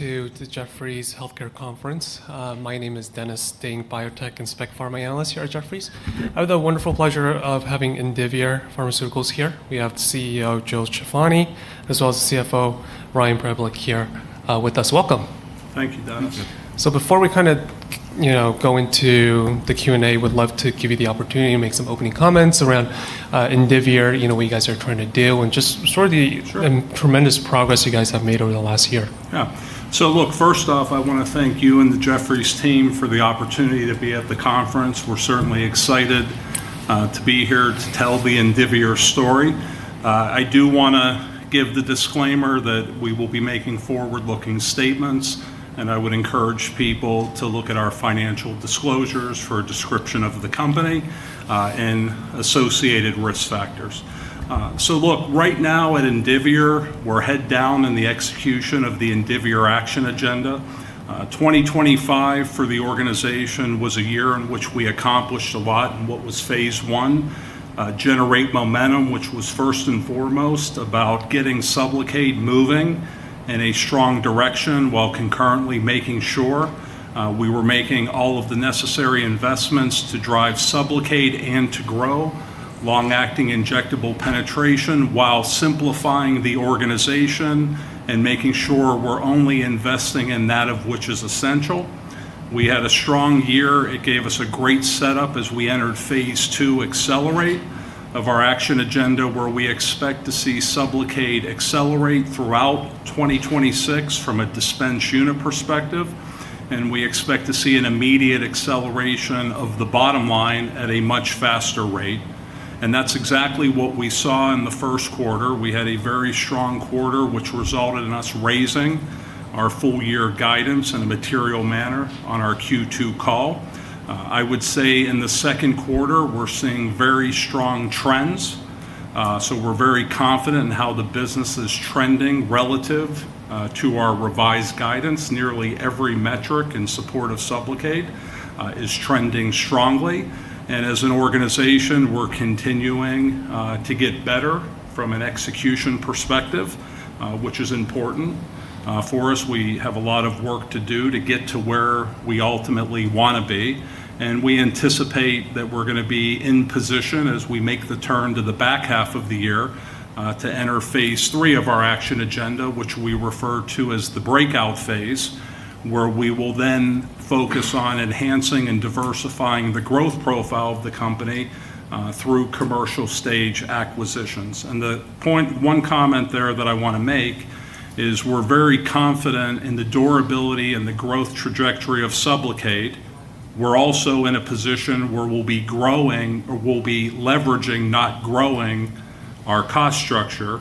Welcome to the Jefferies Healthcare Conference. My name is Dennis Ding, biotech and spec pharma analyst here at Jefferies. I have the wonderful pleasure of having Indivior Pharmaceuticals here. We have the CEO, Joe Ciaffoni, as well as the CFO, Ryan Preblick, here with us. Welcome. Thank you, Dennis. Before we go into the Q&A, would love to give you the opportunity to make some opening comments around Indivior, what you guys are trying to do tremendous progress you guys have made over the last year. First off, I want to thank you and the Jefferies team for the opportunity to be at the conference. We're certainly excited to be here to tell the Indivior story. I do want to give the disclaimer that we will be making forward-looking statements, and I would encourage people to look at our financial disclosures for a description of the company and associated risk factors. Right now, at Indivior, we're head down in the execution of the Indivior Action Agenda. 2025 for the organization was a year in which we accomplished a lot in what was phase I, generate momentum, which was first and foremost about getting SUBLOCADE moving in a strong direction, while concurrently making sure we were making all of the necessary investments to drive SUBLOCADE and to grow long-acting injectable penetration while simplifying the organization and making sure we're only investing in that of which is essential. We had a strong year. It gave us a great setup as we entered phase two accelerate of our Indivior Action Agenda, where we expect to see SUBLOCADE accelerate throughout 2026 from a dispense unit perspective. We expect to see an immediate acceleration of the bottom line at a much faster rate. That's exactly what we saw in the first quarter. We had a very strong quarter, which resulted in us raising our full year guidance in a material manner on our Q2 call. I would say in the second quarter, we're seeing very strong trends, so we're very confident in how the business is trending relative to our revised guidance. Nearly every metric in support of SUBLOCADE is trending strongly, and as an organization, we're continuing to get better from an execution perspective, which is important for us. We have a lot of work to do to get to where we ultimately want to be, and we anticipate that we're going to be in position as we make the turn to the back half of the year to enter phase III of our Indivior Action Agenda, which we refer to as the breakout phase, where we will then focus on enhancing and diversifying the growth profile of the company through commercial stage acquisitions. The one comment there that I want to make is we're very confident in the durability and the growth trajectory of SUBLOCADE. We're also in a position where we'll be leveraging, not growing our cost structure.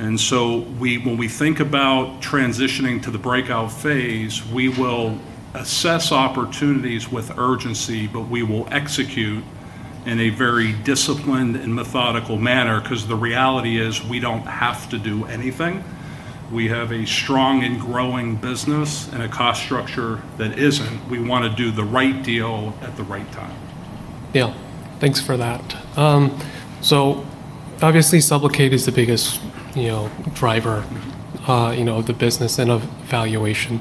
When we think about transitioning to the breakout phase, we will assess opportunities with urgency, but we will execute in a very disciplined and methodical manner because the reality is we don't have to do anything. We have a strong and growing business and a cost structure that isn't. We want to do the right deal at the right time. Yeah. Thanks for that. Obviously, SUBLOCADE is the biggest driver of the business and of valuation.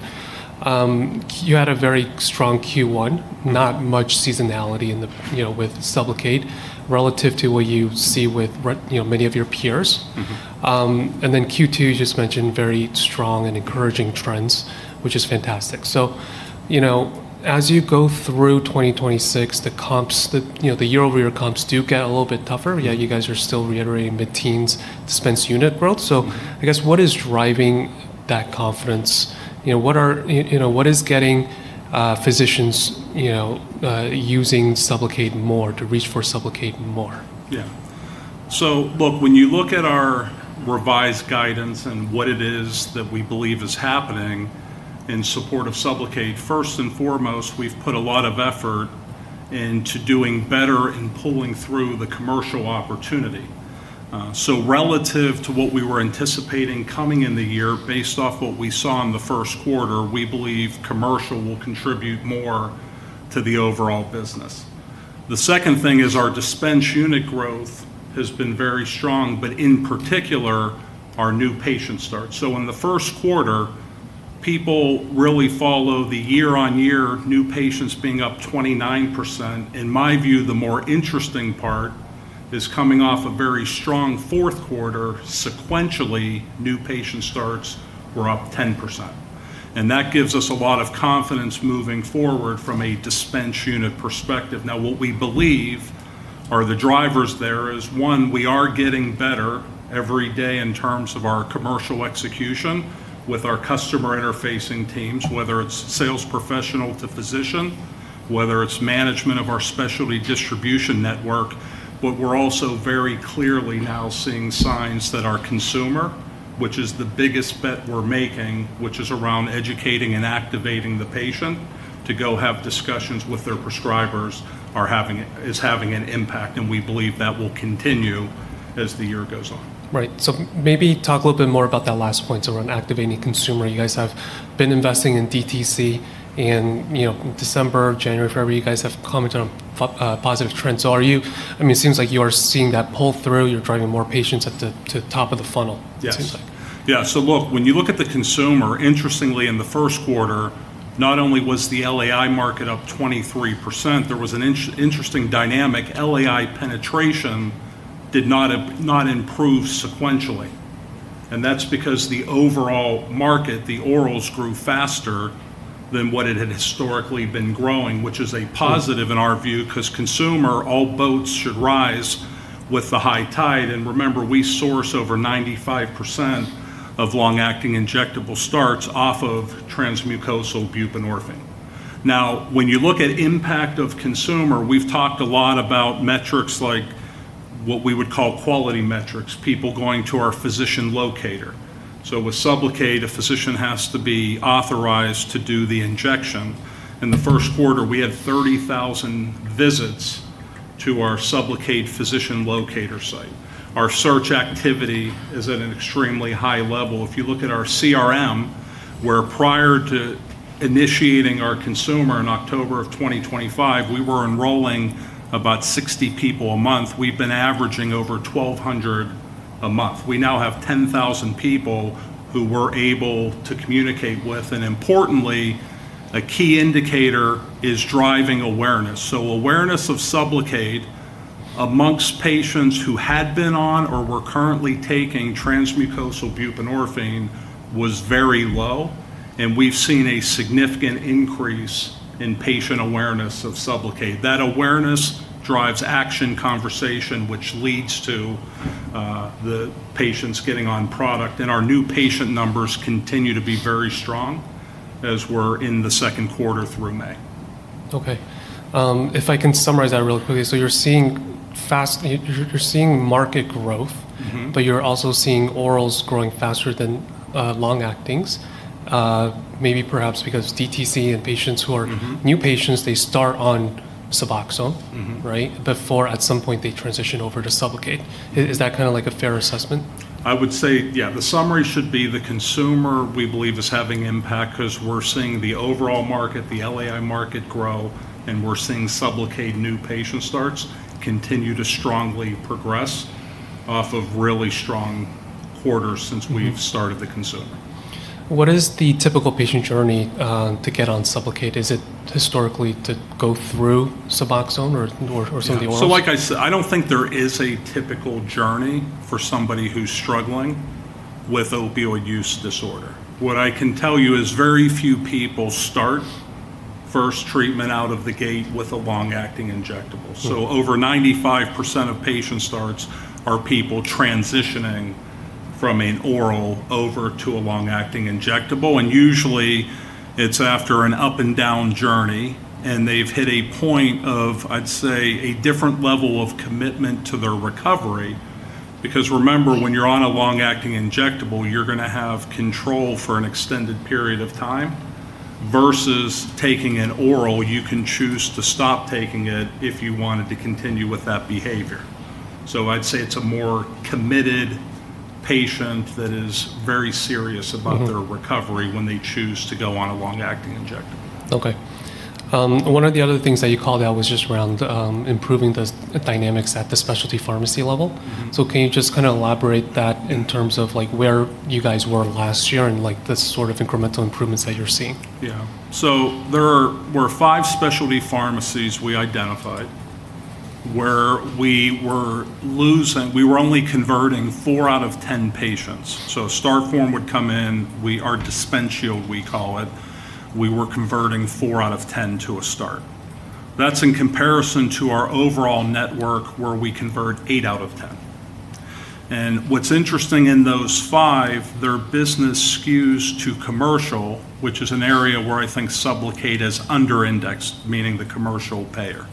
You had a very strong Q1, not much seasonality with SUBLOCADE relative to what you see with many of your peers. Q2, you just mentioned very strong and encouraging trends, which is fantastic. As you go through 2026, the year-over-year comps do get a little bit tougher, yet you guys are still reiterating mid-teens dispense unit growth. I guess, what is driving that confidence? What is getting physicians using SUBLOCADE more to reach for SUBLOCADE more? Yeah. Look, when you look at our revised guidance and what it is that we believe is happening in support of SUBLOCADE, first and foremost, we've put a lot of effort into doing better and pulling through the commercial opportunity. Relative to what we were anticipating coming in the year based off what we saw in the Q1, we believe commercial will contribute more to the overall business. The second thing is us dispense unit growth has been very strong, but in particular, our new patient starts. In the Q1, people really follow the year-on-year new patients being up 29%. In my view, the more interesting part is coming off a very strong Q4 sequentially, new patient starts were up 10%, and that gives us a lot of confidence moving forward from a dispense unit perspective. What we believe are the drivers there is, one, we are getting better every day in terms of our commercial execution with our customer interfacing teams, whether it's sales professional to physician, whether it's management of our specialty distribution network. We're also very clearly now seeing signs that our consumer, which is the biggest bet we're making, which is around educating and activating the patient to go have discussions with their prescribers, is having an impact, and we believe that will continue as the year goes on. Maybe talk a little bit more about that last point around activating consumer. You guys have been investing in DTC in December, January, February. You guys have commented on positive trends. It seems like you are seeing that pull through. You're driving more patients at the top of the funnel, it seems like. Yeah. Look, when you look at the consumer, interestingly, in the Q1, not only was the LAI market up 23%, but there was also an interesting dynamic. LAI penetration did not improve sequentially. That's because the overall market, the orals grew faster than what it had historically been growing, which is a positive in our view, because consumer, all boats should rise with the high tide. Remember, we source over 95% of long-acting injectable starts off of transmucosal buprenorphine. When you look at impact of consumer, we've talked a lot about metrics like what we would call quality metrics, people going to our physician locator. With SUBLOCADE, a physician has to be authorized to do the injection. In the first quarter, we had 30,000 visits to our SUBLOCADE physician locator site. Our search activity is at an extremely high level. If you look at our CRM, where prior to initiating our consumer in October of 2025, we were enrolling about 60 people a month. We've been averaging over 1,200 a month. Importantly, a key indicator is driving awareness. Awareness of SUBLOCADE amongst patients who had been on or were currently taking transmucosal buprenorphine was very low, and we've seen a significant increase in patient awareness of SUBLOCADE. That awareness drives action conversation, which leads to the patients getting on product. Our new patient numbers continue to be very strong as we're in the second quarter through May. Okay. If I can summarize that really quickly. You're seeing market growth. You're also seeing orals growing faster than long-actings. New patients, they start on SUBOXONE. Right? Before at some point they transition over to SUBLOCADE. Is that a fair assessment? I would say, yeah. The summary should be the consumer we believe is having impact because we're seeing the overall market, the LAI market grows, and we're seeing SUBLOCADE new patient starts continuing to strongly progress off of really strong quarters since we've started the consumer. What is the typical patient journey to get on SUBLOCADE? Is it historically to go through SUBOXONE or some of the orals? Like I said, I don't think there is a typical journey for somebody who's struggling with opioid use disorder. What I can tell you is very few people start first treatment out of the gate with a long-acting injectable. Over 95% of patient starts are people transitioning from an oral over to a long-acting injectable. Usually, it's after an up and down journey, and they've hit a point of, I'd say, a different level of commitment to their recovery. Remember, when you're on a long-acting injectable, you're going to have control for an extended period of time versus taking an oral. You could choose to stop taking it if you wanted to continue with that behavior. I'd say it's a more committed patient that is very serious about their recovery when they choose to go on a long-acting injectable. Okay. One of the other things that you called out was just around improving the dynamics at the specialty pharmacy level. Can you just elaborate that in terms of where you guys were last year and the sort of incremental improvements that you're seeing? Yeah. There were five specialty pharmacies we identified where we were only converting four out of 10 patients. A start form would come in, our dispense yield, we call it. We were converting four out of 10 to a start. That's in comparison to our overall network where we convert eight out of 10. What's interesting in those five, their business skews to commercial, which is an area where I think SUBLOCADE is under indexed, meaning the commercial payer.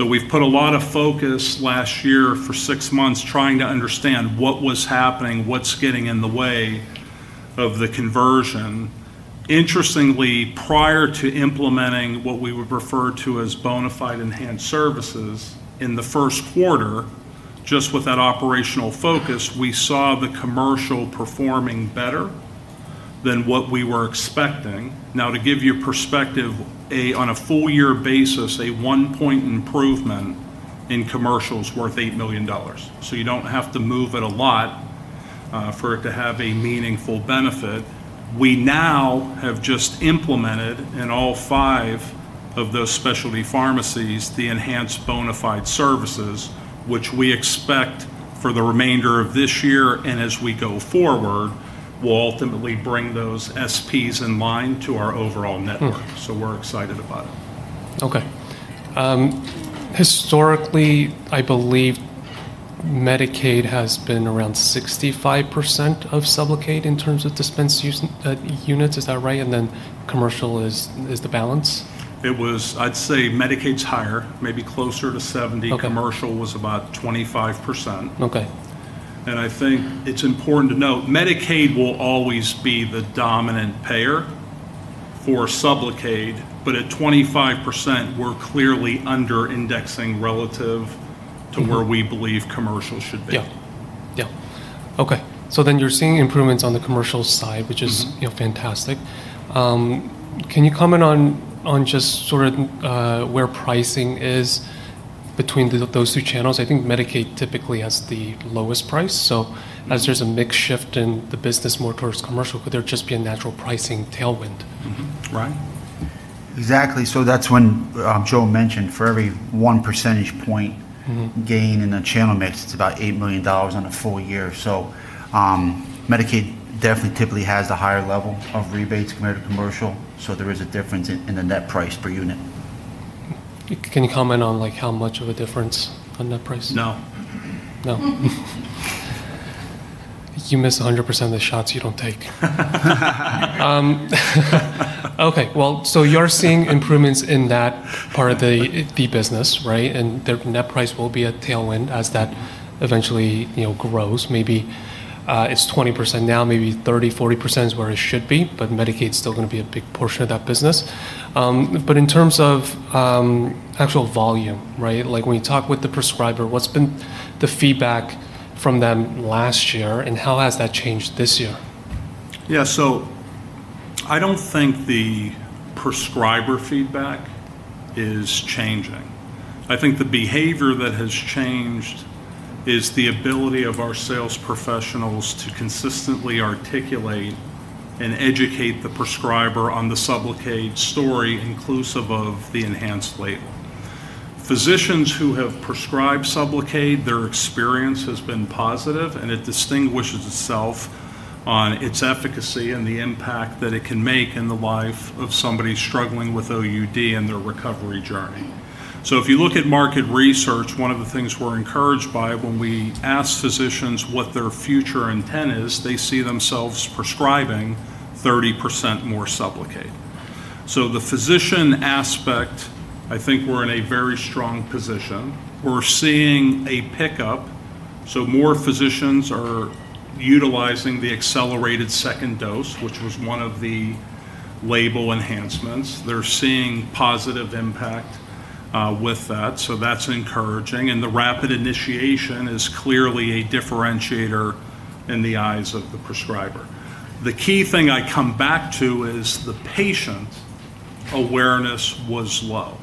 We've put a lot of focus last year for six months, trying to understand what was happening, what's getting in the way of the conversion. Interestingly, prior to implementing what we would refer to as bona fide enhanced services in the first quarter, just with that operational focus, we saw the commercial performing better than what we were expecting. Now, to give your perspective, on a full year basis, a one-point improvement in commercial is worth $8 million. You don't have to move it a lot for it to have a meaningful benefit. We now have just implemented in all five of those specialty pharmacies, the enhanced bona fide services, which we expect for the remainder of this year and as we go forward, will ultimately bring those SPs in line to our overall network. We're excited about it. Okay. Historically, I believe Medicaid has been around 65% of SUBLOCADE in terms of dispensed units. Is that right? Commercial is the balance? It was, I'd say Medicaid's higher, maybe closer to 70%. Commercial was about 25%. I think it's important to note, Medicaid will always be the dominant payer for SUBLOCADE. At 25%, we're clearly under indexing relative to where we believe commercial should be. Yeah. Okay. You're seeing improvements on the commercial side. which is fantastic. Can you comment on just sort of where pricing is between those two channels, I think Medicaid typically has the lowest price. As there's a mix shift in the business more towards commercial, could there just be a natural pricing tailwind? Right. Exactly. That's when Joe mentioned for every one percentage point gain in the channel mix, it's about $8 million on a full year. Medicaid definitely typically has a higher level of rebates compared to commercial. There is a difference in the net price per unit. Can you comment on how much of a difference on net price? No. No? You miss 100% of the shots you don't take. Okay. Well, you're seeing improvements in that part of the business, right? Their net price will be a tailwind as that eventually grows. Maybe it's 20% now, maybe 30%, 40% is where it should be, Medicaid's still going to be a big portion of that business. In terms of actual volume, right? When you talk with the prescriber, what's been the feedback from them last year, and how has that changed this year? Yeah. I don't think the prescriber feedback is changing. I think the behavior that has changed is the ability of our sales professionals to consistently articulate and educate the prescriber on the SUBLOCADE story, inclusive of the enhanced label. Physicians who have prescribed SUBLOCADE, their experience has been positive, and it distinguishes itself on its efficacy and the impact that it can make in the life of somebody struggling with OUD and their recovery journey. If you look at market research, one of the things we're encouraged by when we ask physicians what their future intent is, they see themselves prescribing 30% more SUBLOCADE. The physician aspect, I think we're in a very strong position. We're seeing a pickup, more physicians are utilizing the accelerated second dose, which was one of the label enhancements. They're seeing positive impact with that's encouraging. The rapid initiation is clearly a differentiator in the eyes of the prescriber. The key thing I come back to is the patient awareness was low.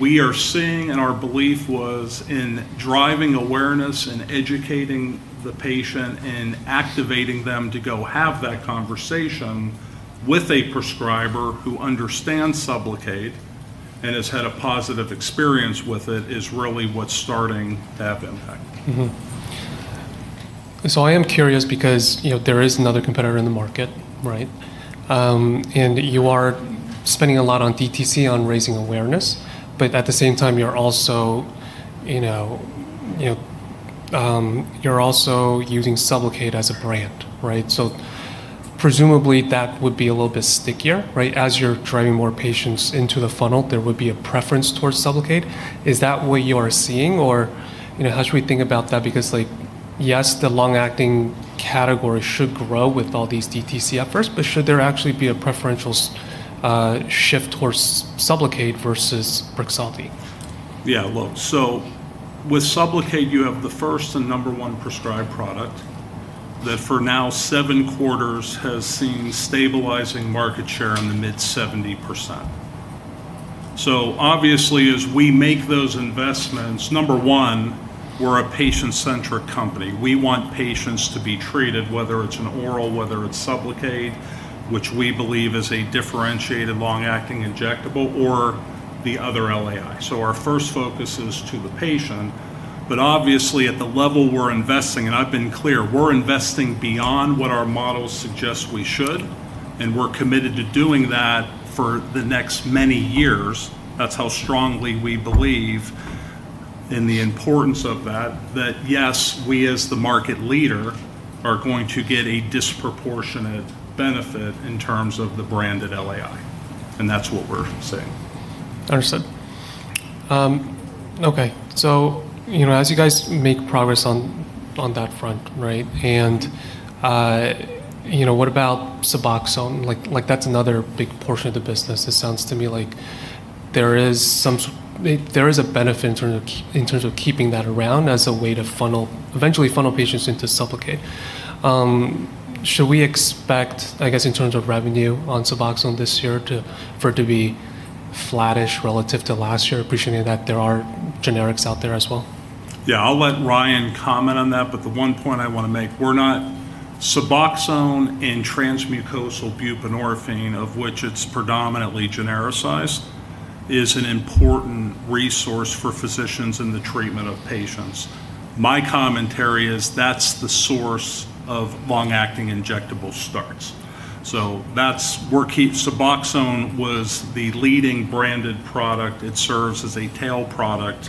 We are seeing, and our belief was in driving awareness and educating the patient and activating them to go have that conversation with a prescriber who understands SUBLOCADE and has had a positive experience with it is really what's starting to have impact. I am curious because there is another competitor in the market, right? You are spending a lot on DTC, on raising awareness. At the same time, you're also using SUBLOCADE as a brand, right? Presumably that would be a little bit stickier, right? As you're driving more patients into the funnel, there would be a preference towards SUBLOCADE. Is that what you are seeing? How should we think about that? Yes, the long-acting category should grow with all these DTC efforts, but should there actually be a preferential shift towards SUBLOCADE versus BRIXADI? With SUBLOCADE, you have the first and number one prescribed product that for now seven quarters has seen stabilizing market share on the mid 70%. Obviously as we make those investments, number one, we're a patient-centric company. We want patients to be treated, whether it's an oral, whether it's SUBLOCADE, which we believe is a differentiated long-acting injectable or the other LAI. Our first focus is to the patient, but obviously at the level we're investing, and I've been clear, we're investing beyond what our models suggest we should, and we're committed to doing that for the next many years. That's how strongly we believe in the importance of that. That yes, we, as the market leader, are going to get a disproportionate benefit in terms of the branded LAI, and that's what we're seeing. Understood. Okay. As you guys make progress on that front, right, what about SUBOXONE? That's another big portion of the business. It sounds to me like there is a benefit in terms of keeping that around as a way to eventually funnel patients into SUBLOCADE. Should we expect, I guess, in terms of revenue on SUBOXONE this year for it to be flattish relative to last year, appreciating that there are generics out there as well? I'll let Ryan comment on that, the one point I want to make. SUBOXONE and transmucosal buprenorphine, of which it's predominantly genericized, is an important resource for physicians in the treatment of patients. My commentary is that's the source of long-acting injectable starts. SUBOXONE was the leading branded product. It serves as a tail product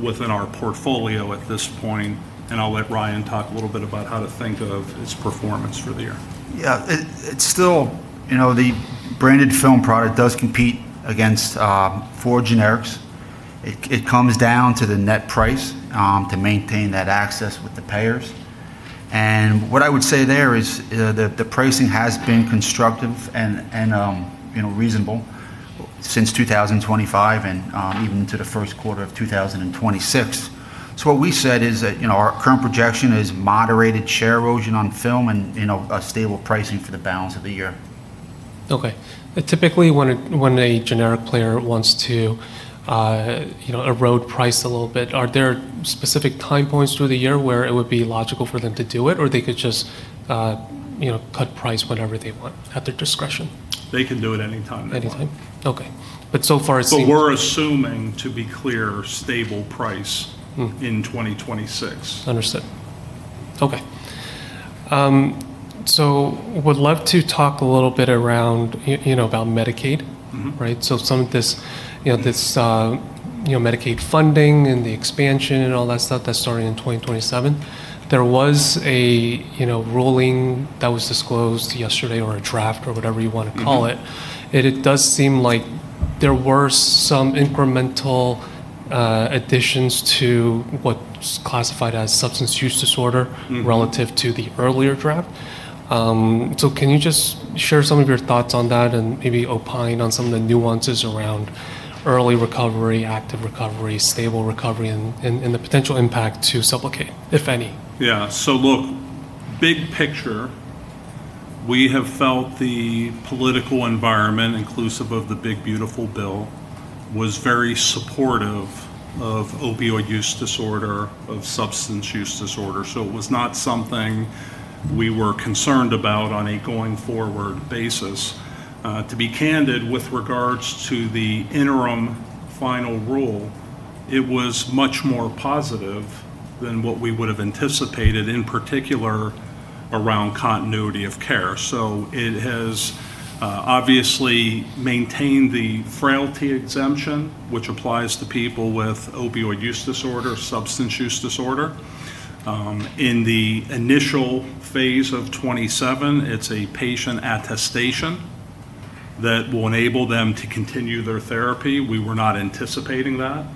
within our portfolio at this point, and I'll let Ryan talk a little bit about how to think of its performance for the year. Yeah. The branded film product does compete against four generics. It comes down to the net price, to maintain that access with the payers. What I would say there is that the pricing has been constructive and reasonable since 2025 and even into the Q1 of 2026. What we said is that our current projection is moderated share erosion on film and a stable pricing for the balance of the year. Okay. Typically, when a generic player wants to erode price a little bit, are there specific time points through the year where it would be logical for them to do it? Or they could just cut price whenever they want at their discretion? They can do it anytime they want. Anytime? Okay. So far it seems. We're assuming, to be clear, stable price in 2026. Understood. Okay. Would love to talk a little bit about Medicaid. Some of this Medicaid funding and the expansion and all that stuff that's starting in 2027. There was a ruling that was disclosed yesterday or a draft or whatever you want to call it. It does seem like there were some incremental additions to what's classified as substance use disorder relative to the earlier draft. Can you just share some of your thoughts on that and maybe opine on some of the nuances around early recovery, active recovery, stable recovery and the potential impact to SUBLOCADE, if any? Yeah. Look, big picture, we have felt the political environment, inclusive of the Big Beautiful Bill, was very supportive of opioid use disorder, of substance use disorder. To be candid, with regards to the interim final rule, it was much more positive than what we would've anticipated, in particular, around continuity of care. It has obviously maintained the frailty exemption, which applies to people with opioid use disorder, substance use disorder. In the initial phase of 2027, it's a patient attestation that will enable them to continue their therapy. We were not anticipating that.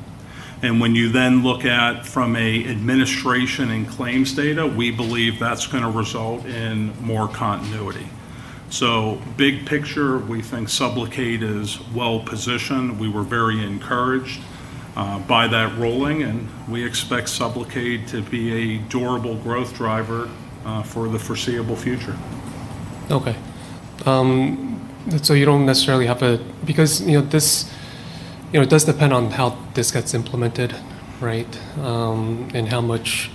When you look at from an administration and claims data, we believe that's going to result in more continuity. Big picture, we think SUBLOCADE is well-positioned. We were very encouraged by that ruling. We expect SUBLOCADE to be a durable growth driver for the foreseeable future. Okay. It does depend on how this gets implemented, right? How much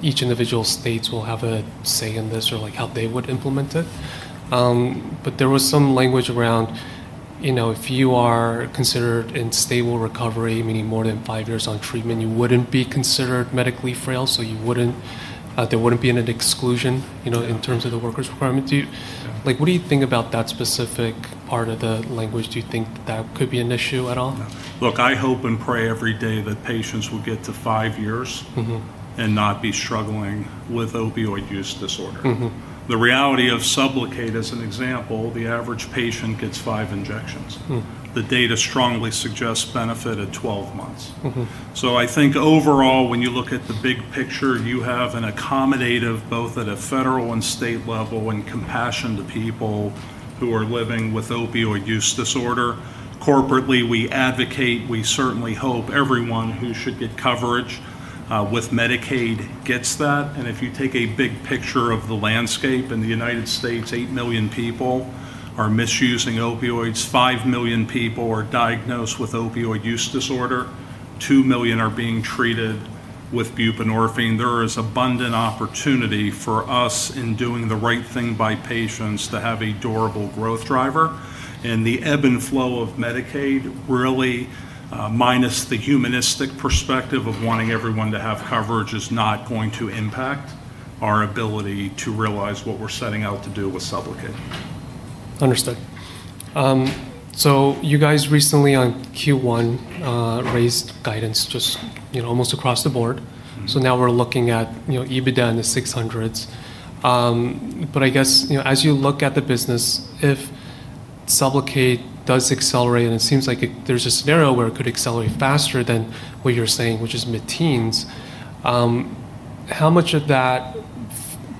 each individual states will have a say in this or how they would implement it. There was some language around, if you are considered in stable recovery, meaning more than five years on treatment, you wouldn't be considered medically frail, so there wouldn't be an exclusion in terms of the workers' requirement. What do you think about that specific part of the language? Do you think that that could be an issue at all? Look, I hope and pray every day that patients will get to five years and not be struggling with opioid use disorder. The reality of SUBLOCADE, as an example, the average patient gets five injections. The data strongly suggests benefit at 12 months. I think overall, when you look at the big picture, you have an accommodative, both at a federal and state level, and compassion to people who are living with opioid use disorder. Corporately, we advocate, we certainly hope everyone who should get coverage with Medicaid gets that. If you take a big picture of the landscape in the United States, eight million people are misusing opioids, five million people are diagnosed with opioid use disorder, two million are being treated with buprenorphine. There is abundant opportunity for us in doing the right thing by patients to have a durable growth driver. The ebb and flow of Medicaid really, minus the humanistic perspective of wanting everyone to have coverage, is not going to impact our ability to realize what we're setting out to do with SUBLOCADE. Understood. You guys recently on Q1 raised guidance just almost across the board. Now we're looking at EBITDA in the GBP 600s. I guess, as you look at the business, if SUBLOCADE does accelerate, and it seems like there's a scenario where it could accelerate faster than what you're saying, which is mid-teens%. How much of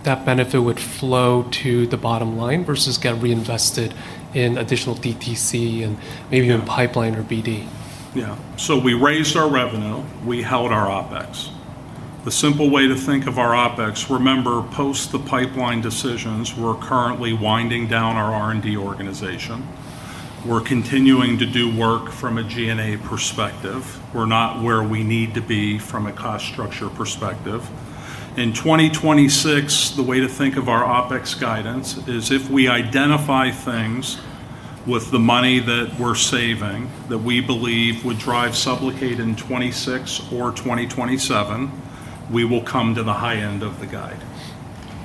that benefit would flow to the bottom line versus get reinvested in additional DTC and maybe even pipeline or BD? Yeah. We raised our revenue, we held our OPEX. The simple way to think of our OPEX, remember, post the pipeline decisions, we're currently winding down our R&D organization. We're continuing to do work from a G&A perspective. We're not where we need to be from a cost structure perspective. In 2026, the way to think of our OPEX guidance is if we identify things with the money that we're saving, that we believe would drive SUBLOCADE in 2026 or 2027, we will come to the high end of the guide.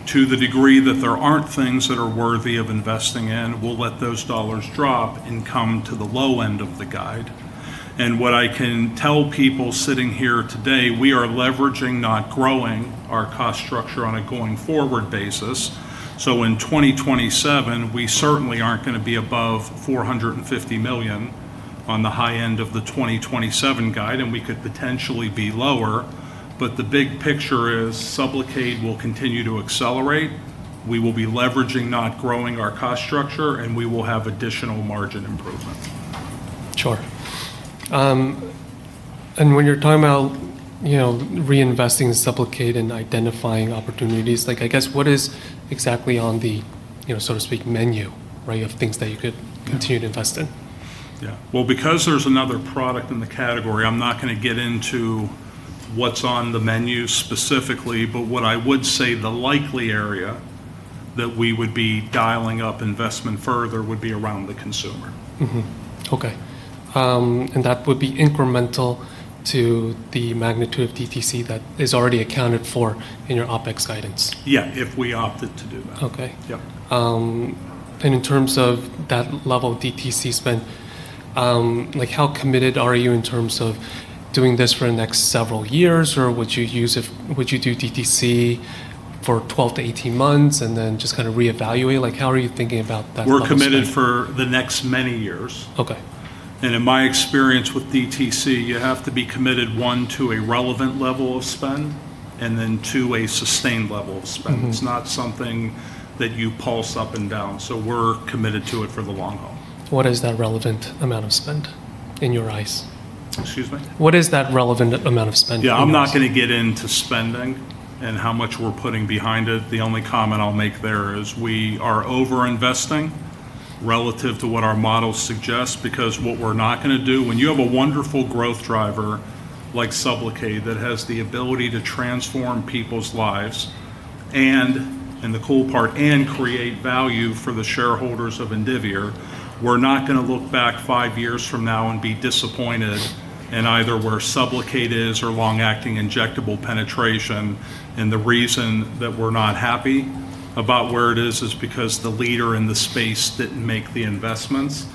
To the degree that there aren't things that are worthy of investing in, we'll let those dollars drop and come to the low end of the guide. What I can tell people sitting here today, we are leveraging, not growing our cost structure on a going forward basis. In 2027, we certainly aren't going to be above 450 million on the high end of the 2027 guide, and we could potentially be lower. The big picture is SUBLOCADE will continue to accelerate. We will be leveraging, not growing our cost structure, and we will have additional margin improvements. Sure. When you're talking about reinvesting in SUBLOCADE and identifying opportunities, I guess, what is exactly on the, so to speak, menu, right, of things that you could continue to invest in? Yeah. Well, because there's another product in the category, I'm not going to get into what's on the menu specifically, but what I would say the likely area that we would be dialing up investment further would be around the consumer. Mm-hmm. Okay. That would be incremental to the magnitude of DTC that is already accounted for in your OPEX guidance. Yeah. If we opted to do that. Okay. In terms of that level of DTC spend, how committed are you in terms of doing this for the next several years, or would you do DTC for 12-18 months and then just kind of reevaluate? How are you thinking about that level of spend? We're committed for the next many years. In my experience with DTC, you have to be committed, one, to a relevant level of spend, and then two, a sustained level of spend. It's not something that you pulse up and down. We're committed to it for the long haul. What is that relevant amount of spend, in your eyes? Excuse me? What is that relevant amount of spend, in your eyes? Yeah, I'm not going to get into spending and how much we're putting behind it. The only comment I'll make there is we are over-investing relative to what our models suggest, because what we're not going to do when you have a wonderful growth driver like SUBLOCADE that has the ability to transform people's lives, and the cool part, and create value for the shareholders of Indivior, we're not going to look back five years from now and be disappointed in either where SUBLOCADE is or long-acting injectable penetration, and the reason that we're not happy about where it is, is because the leader in the space didn't make the investments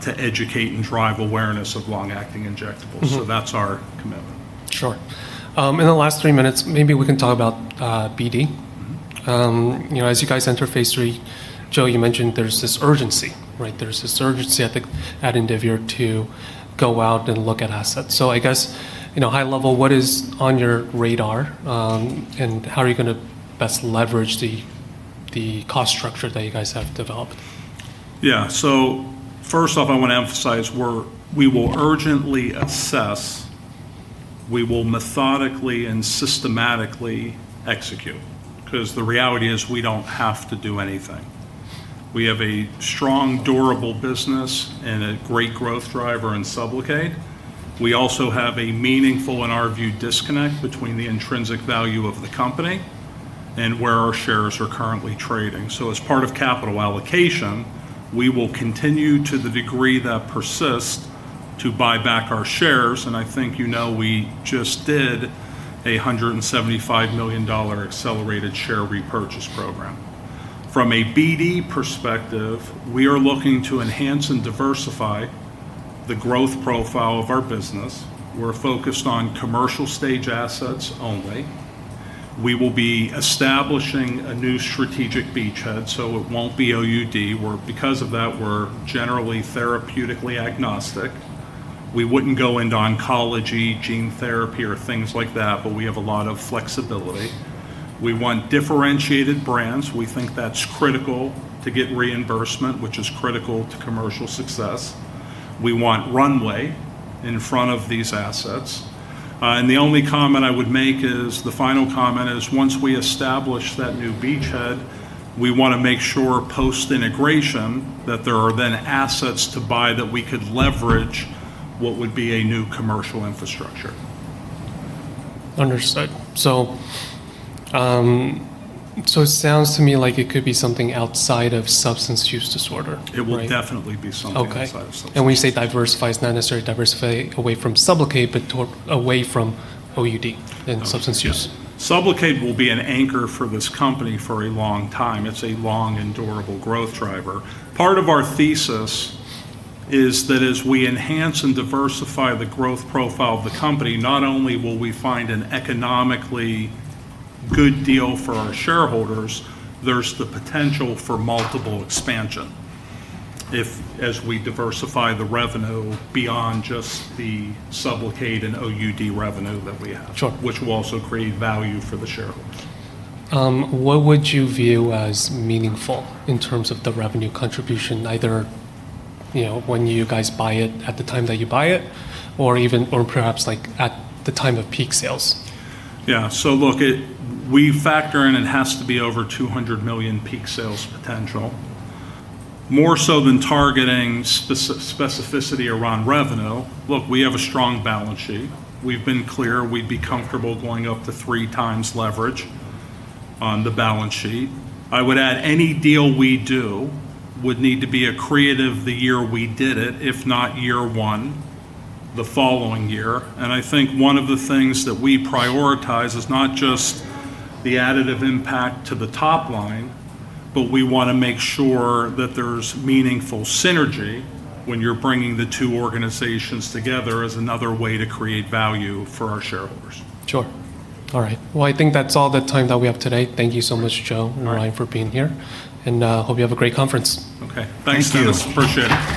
to educate and drive awareness of long-acting injectables. That's our commitment. Sure. In the last three minutes, maybe we can talk about BD. As you guys enter phase III, Joe, you mentioned there's this urgency, right? There's this urgency, I think, at Indivior to go out and look at assets. I guess that high level, what is on your radar? How are you going to best leverage the cost structure that you guys have developed? First off, I want to emphasize, we will urgently assess, we will methodically and systematically execute, because the reality is we don't have to do anything. We have a strong, durable business and a great growth driver in SUBLOCADE. We also have a meaningful, in our view, disconnect between the intrinsic value of the company and where our shares are currently trading. As part of capital allocation, we will continue, to the degree that persists, to buy back our shares, and I think you know we just did a GBP 175 million accelerated share repurchase program. From a BD perspective, we are looking to enhance and diversify the growth profile of our business. We're focused on commercial stage assets only. We will be establishing a new strategic beachhead, so it won't be OUD. Because of that, we're generally therapeutically agnostic. We wouldn't go into oncology, gene therapy, or things like that, but we have a lot of flexibility. We want differentiated brands. We think that's critical to get reimbursement, which is critical to commercial success. We want runway in front of these assets. The only comment I would make is, the final comment is, once we establish that new beachhead, we want to make sure post-integration that there are then assets to buy that we could leverage what would be a new commercial infrastructure. Understood. It sounds to me like it could be something outside of substance use disorder, right? It will definitely be something outside of substance use. Okay. When you say diversify, it's not necessarily diversified away from SUBLOCADE, but away from OUD and substance use. Okay. Yeah. SUBLOCADE will be an anchor for this company for a long time. It's a long and durable growth driver. Part of our thesis is that as we enhance and diversify the growth profile of the company, not only will we find an economically good deal for our shareholders, but there's also the potential for multiple expansion as we diversify the revenue beyond just the SUBLOCADE and OUD revenue that we have which will also create value for the shareholders. What would you view as meaningful in terms of the revenue contribution, either when you guys buy it at the time that you buy it, or perhaps at the time of peak sales? Yeah. Look, we factor in it has to be over 200 million peak sales potential. More so than targeting specificity around revenue, look, we have a strong balance sheet. We've been clear we'd be comfortable going up to three times leverage on the balance sheet. I would add any deal we do would need to be accretive the year we did it, if not year one, the following year. I think one of the things that we prioritize is not just the additive impact to the top line, but we want to make sure that there's meaningful synergy when you're bringing the two organizations together as another way to create value for our shareholders. Sure. All right. Well, I think that's all the time that we have today. Thank you so much, Joe and Ryan, for being here, and hope you have a great conference. Okay. Thanks, Dennis. Thank you. Appreciate it.